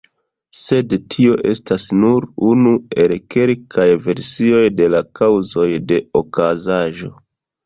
Sed tio estas nur unu el kelkaj versioj de la kaŭzoj de okazaĵo.